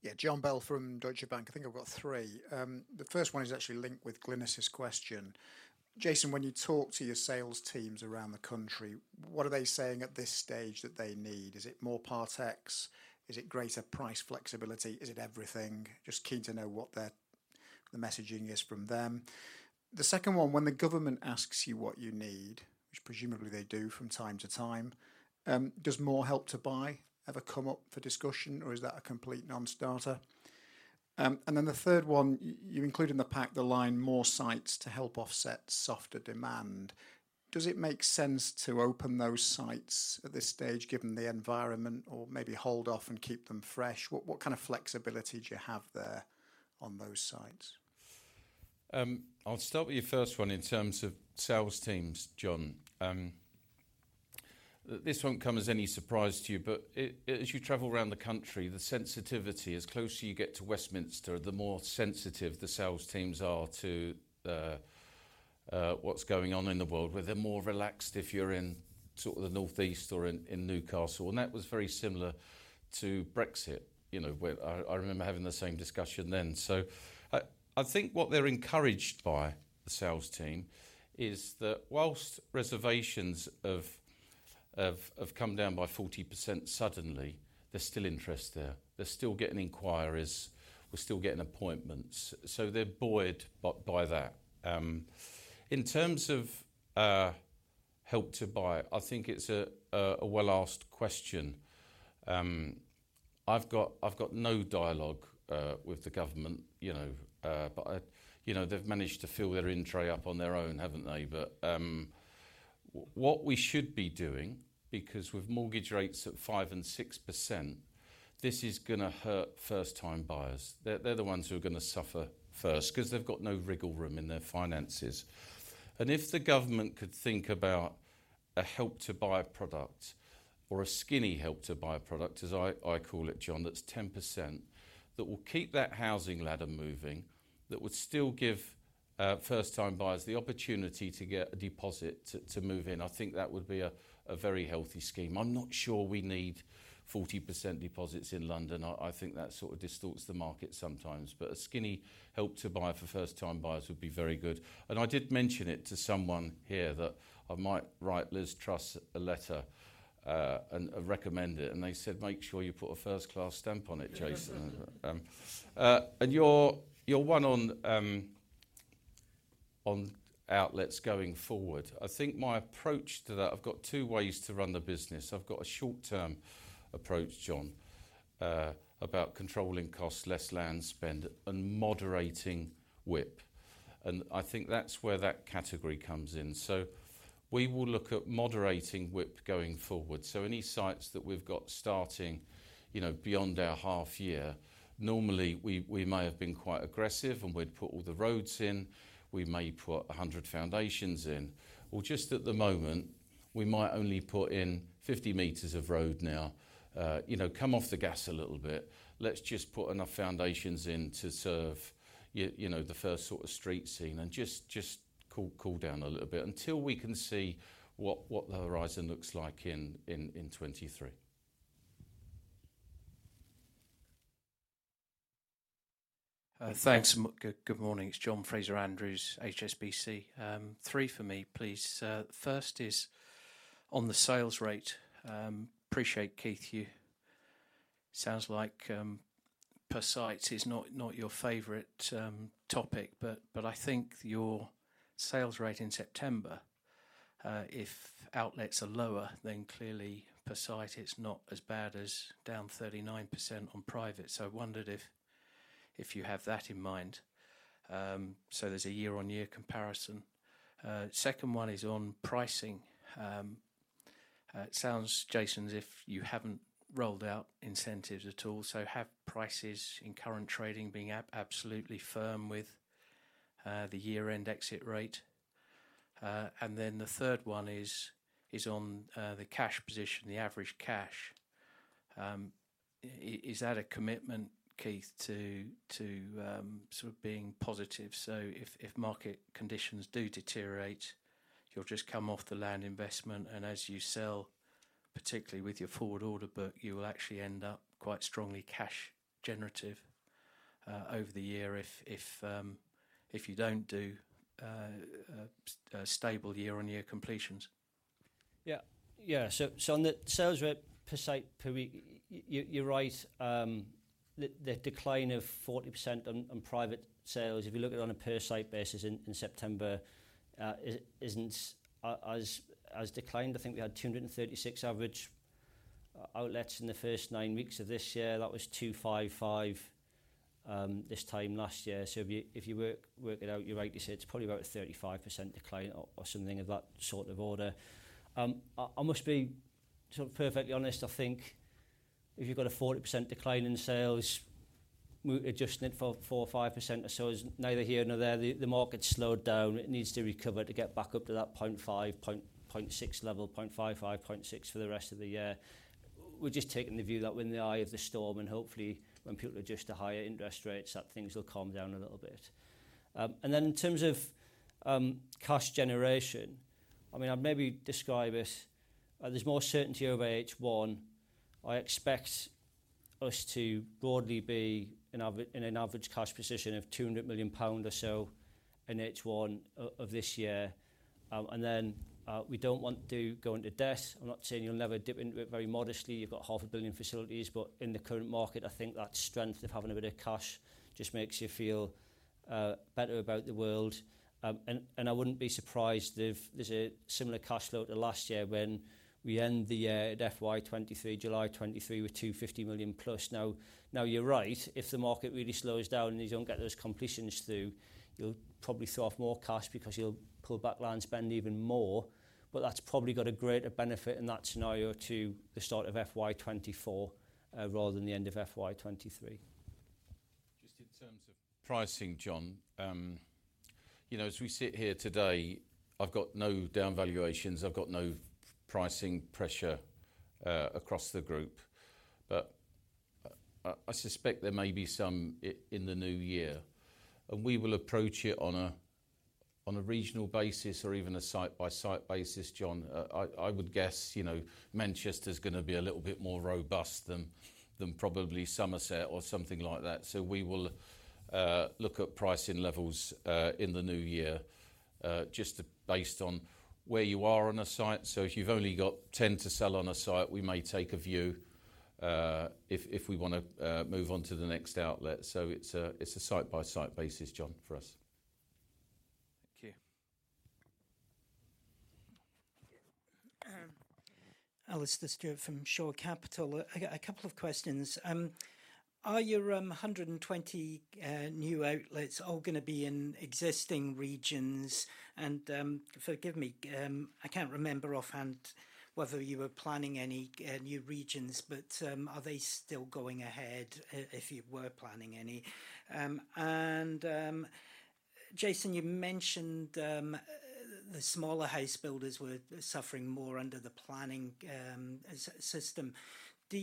Yeah, Jon Bell from Deutsche Bank. I think I've got three. The first one is actually linked with Glynis's question. Jason, when you talk to your sales teams around the country, what are they saying at this stage that they need? Is it more Part Exchange? Is it greater price flexibility? Is it everything? Just keen to know what their messaging is from them. The second one, when the government asks you what you need, which presumably they do from time to time, does more Help to Buy ever come up for discussion, or is that a complete non-starter? And then the third one, you include in the pack the line, "More sites to help offset softer demand." Does it make sense to open those sites at this stage, given the environment, or maybe hold off and keep them fresh? What kind of flexibility do you have there on those sites? I'll start with your first one in terms of sales teams, John. This won't come as any surprise to you, but as you travel around the country, the sensitivity, the closer you get to Westminster, the more sensitive the sales teams are to what's going on in the world. They're more relaxed if you're in sort of the northeast or in Newcastle. That was very similar to Brexit, you know, where I remember having the same discussion then. I think what they're encouraged by, the sales team, is that while reservations have come down by 40% suddenly, there's still interest there. They're still getting inquiries. We're still getting appointments. They're buoyed by that. In terms of Help to Buy, I think it's a well-asked question. I've got no dialogue with the government, you know, but, you know, they've managed to fill their in-tray up on their own, haven't they? What we should be doing, because with mortgage rates at 5% and 6%, this is gonna hurt first-time buyers. They're the ones who are gonna suffer first 'cause they've got no wriggle room in their finances. If the government could think about a Help to Buy product or a skinny Help to Buy product, as I call it, John, that's 10%, that will keep that housing ladder moving, that would still give first-time buyers the opportunity to get a deposit to move in, I think that would be a very healthy scheme. I'm not sure we need 40% deposits in London. I think that sort of distorts the market sometimes. A skinny Help to Buy for first-time buyers would be very good. I did mention it to someone here that I might write Liz Truss a letter and recommend it. They said, "Make sure you put a first-class stamp on it, Jason." Your one on outlets going forward. I think my approach to that, I've got two ways to run the business. I've got a short-term approach, John, about controlling costs, less land spend, and moderating WIP. I think that's where that category comes in. We will look at moderating WIP going forward. Any sites that we've got starting beyond our half year, normally we may have been quite aggressive, and we'd put all the roads in. We may put 100 foundations in. Well, just at the moment, we might only put in 50 meters of road now. You know, come off the gas a little bit. Let's just put enough foundations in to serve you know, the first sort of street scene and just cool down a little bit until we can see what the horizon looks like in 2023. Good morning. It's John Fraser-Andrews, HSBC. Three for me, please. The first is on the sales rate. Appreciate, Keith, sounds like per site is not your favorite topic. I think your sales rate in September, if outlets are lower, then clearly per site it's not as bad as down 39% on private. I wondered if you have that in mind. There's a year-on-year comparison. Second one is on pricing. It sounds, Jason, as if you haven't rolled out incentives at all. Have prices in current trading been absolutely firm with the year-end exit rate? Then the third one is on the cash position, the average cash. Is that a commitment, Keith, to sort of being positive? If market conditions do deteriorate, you'll just come off the land investment, and as you sell, particularly with your forward order book, you will actually end up quite strongly cash generative over the year if you don't do stable year-on-year completions. On the sales rate per site per week, you're right, the decline of 40% on private sales. If you look at it on a per site basis in September, it isn't as declined. I think we had 236 average outlets in the first nine weeks of this year. That was 255 this time last year. If you work it out, you're right to say it's probably about a 35% decline or something of that sort of order. I must be sort of perfectly honest. I think if you've got a 40% decline in sales, adjusting it for 4% or 5% or so is neither here nor there. The market's slowed down. It needs to recover to get back up to that 0.5, 0.6 level, 0.55, 0.6 for the rest of the year. We're just taking the view that we're in the eye of the storm and hopefully when people adjust to higher interest rates, that things will calm down a little bit. In terms of cash generation, I mean, I'd maybe describe it, there's more certainty over H1. I expect us to broadly be in an average cash position of 200 million pound or so in H1 of this year. Then, we don't want to go into debt. I'm not saying you'll never dip into it very modestly. You've got GBP half a billion facilities, but in the current market, I think that strength of having a bit of cash just makes you feel better about the world. I wouldn't be surprised if there's a similar cash flow to last year when we end the year at FY23, July 2023, with 250 million plus. Now you're right. If the market really slows down and you don't get those completions through, you'll probably throw off more cash because you'll pull back land spend even more. That's probably got a greater benefit in that scenario to the start of FY24 rather than the end of FY23. Just in terms of pricing, John. You know, as we sit here today, I've got no down valuations. I've got no pricing pressure across the group. I suspect there may be some in the new year. We will approach it on a regional basis or even a site-by-site basis, John. I would guess, you know, Manchester's gonna be a little bit more robust than probably Somerset or something like that. We will look at pricing levels in the new year just based on where you are on a site. If you've only got 10 to sell on a site, we may take a view if we wanna move on to the next outlet. It's a site-by-site basis, John, for us. Thank you. Alastair Stewart from Shore Capital. I got a couple of questions. Are your 120 new outlets all gonna be in existing regions? Forgive me, I can't remember offhand whether you were planning any new regions, but are they still going ahead if you were planning any? Jason, you mentioned the smaller house builders were suffering more under the planning system. Do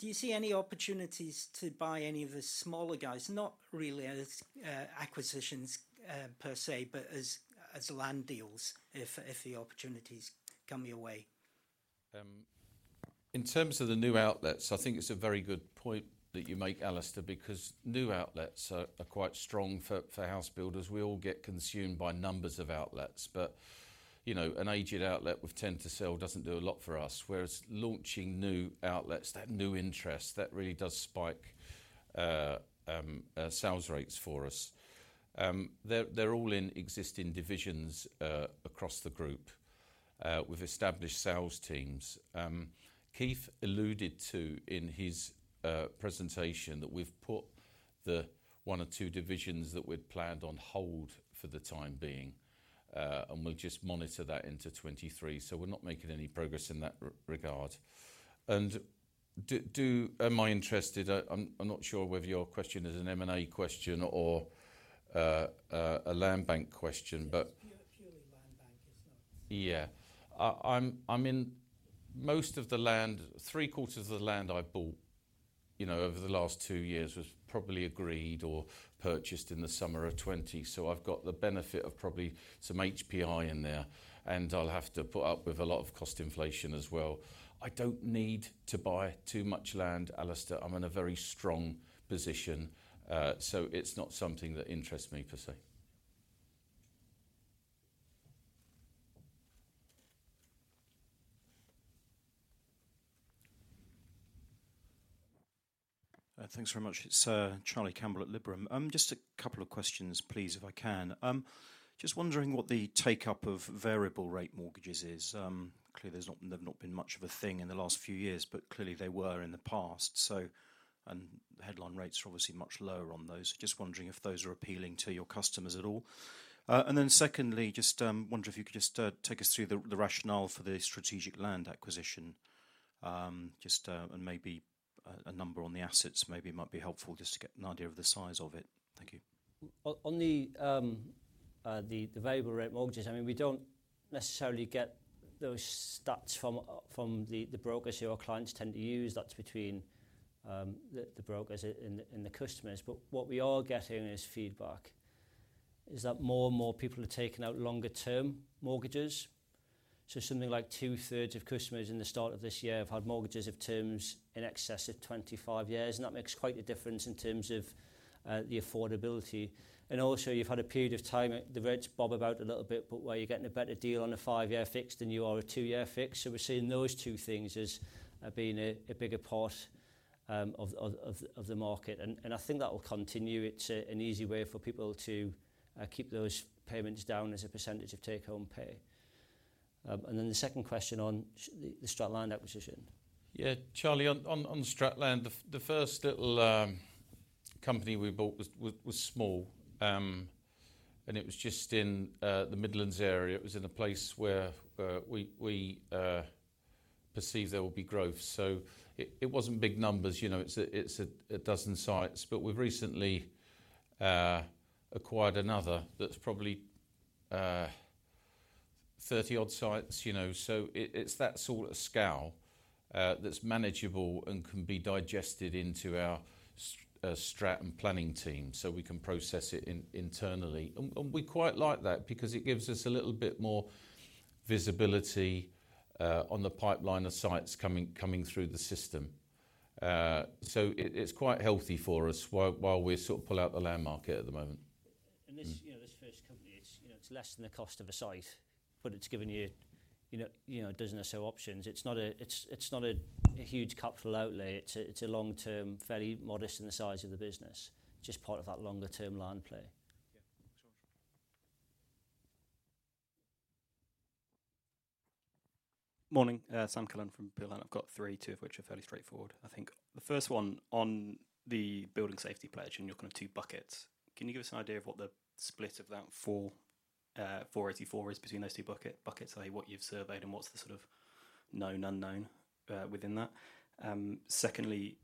you see any opportunities to buy any of the smaller guys, not really as acquisitions per se, but as land deals if the opportunities come your way? In terms of the new outlets, I think it's a very good point that you make, Alastair, because new outlets are quite strong for house builders. We all get consumed by numbers of outlets, but you know, an aged outlet won't tend to sell doesn't do a lot for us, whereas launching new outlets, that new interest, that really does spike sales rates for us. They're all in existing divisions across the group with established sales teams. Keith alluded to in his presentation that we've put the one or two divisions that we'd planned on hold for the time being, and we'll just monitor that into 2023. We're not making any progress in that regard. Am I interested? I'm not sure whether your question is an M&A question or a land bank question but It's purely land bank. Yeah. I'm in most of the land, three-quarters of the land I bought, you know, over the last two years was probably agreed or purchased in the summer of 2020. I've got the benefit of probably some HPI in there, and I'll have to put up with a lot of cost inflation as well. I don't need to buy too much land, Alastair. I'm in a very strong position, so it's not something that interests me per se. Thanks very much. It's Charlie Campbell at Liberum. Just a couple of questions, please, if I can. Just wondering what the take-up of variable rate mortgages is. Clearly there's not, they've not been much of a thing in the last few years, but clearly they were in the past. The headline rates are obviously much lower on those. Just wondering if those are appealing to your customers at all. Then secondly, just wonder if you could just take us through the rationale for the strategic land acquisition, and maybe a number on the assets maybe might be helpful just to get an idea of the size of it. Thank you. The variable rate mortgages, I mean, we don't necessarily get those stats from the brokers who our clients tend to use. That's between the brokers and the customers. What we are getting as feedback is that more and more people are taking out longer term mortgages. Something like 2/3 of customers at the start of this year have had mortgages of terms in excess of 25 years, and that makes quite a difference in terms of the affordability. Also you've had a period of time, the rates bob about a little bit, but where you're getting a better deal on a 5-year fixed than you are a 2-year fixed. We're seeing those two things as being a bigger part of the market and I think that will continue. It's an easy way for people to keep those payments down as a percentage of take-home pay. The second question on the strategic land acquisition. Yeah, Charlie, on strategic land, the first little company we bought was small. It was just in the Midlands area. It was in a place where we perceived there will be growth. It wasn't big numbers, you know, it's 12 sites. We've recently acquired another that's probably 30-odd sites, you know. It's that sort of scale that's manageable and can be digested into our strategic and planning team, so we can process it internally. We quite like that because it gives us a little bit more visibility on the pipeline of sites coming through the system. It's quite healthy for us while we sort of pull out of the land market at the moment. This, you know, this first company, it's, you know, it's less than the cost of a site, but it's given you know, a dozen or so options. It's not a huge capital outlay. It's a long term, fairly modest in the size of the business, just part of that longer term land play. Yeah. Thanks very much. Morning. Sam Cullen from Berenberg. I've got 3, two of which are fairly straightforward, I think. The first one on the Building Safety Pledge and your kind of two buckets. Can you give us an idea of what the split of that 484 is between those two buckets, i.e., what you've surveyed and what's the sort of known unknown within that? Secondly,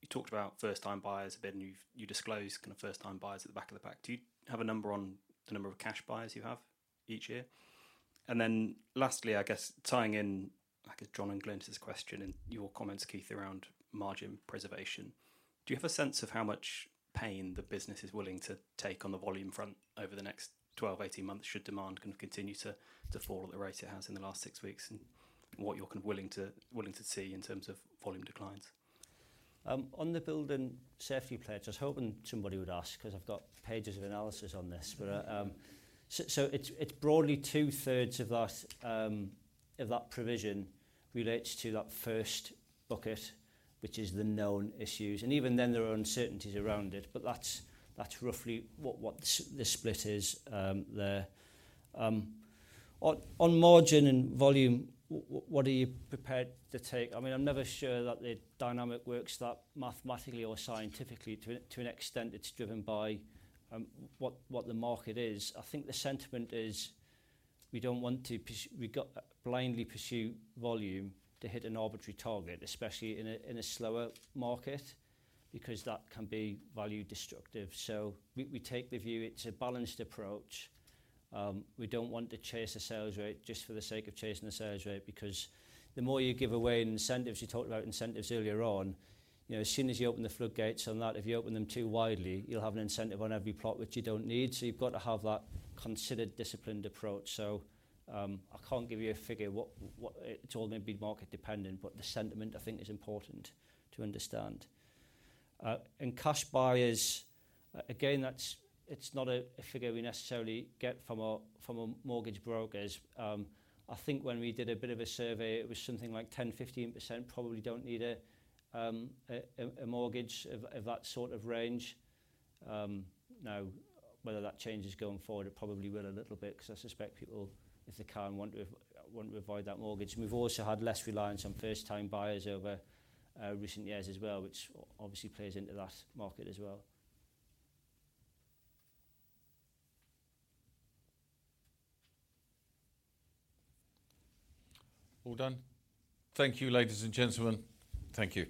you talked about first time buyers a bit, and you disclose kind of first time buyers at the back of the pack. Do you have a number on the number of cash buyers you have each year? And then lastly, I guess tying in John and Glenn's question and your comments, Keith, around margin preservation. Do you have a sense of how much pain the business is willing to take on the volume front over the next 12-18 months should demand kind of continue to fall at the rate it has in the last 6 weeks, and what you're kind of willing to see in terms of volume declines? On the Building Safety Pledge, I was hoping somebody would ask 'cause I've got pages of analysis on this. It's broadly two-thirds of that provision relates to that first bucket, which is the known issues. Even then there are uncertainties around it, but that's roughly what the split is there. On margin and volume, what are you prepared to take? I mean, I'm never sure that the dynamic works that mathematically or scientifically to an extent it's driven by what the market is. I think the sentiment is we don't want to blindly pursue volume to hit an arbitrary target, especially in a slower market, because that can be value destructive. We take the view, it's a balanced approach. We don't want to chase a sales rate just for the sake of chasing the sales rate because the more you give away in incentives, you talked about incentives earlier on, you know, as soon as you open the floodgates on that, if you open them too widely, you'll have an incentive on every plot which you don't need. You've got to have that considered, disciplined approach. I can't give you a figure what it's all going to be market dependent, but the sentiment I think is important to understand. Cash buyers, again, that's not a figure we necessarily get from our mortgage brokers. I think when we did a bit of a survey, it was something like 10-15% probably don't need a mortgage of that sort of range. Now whether that changes going forward, it probably will a little bit 'cause I suspect people, if they can, want to avoid that mortgage. We've also had less reliance on first time buyers over recent years as well, which obviously plays into that market as well. All done. Thank you, ladies and gentlemen. Thank you.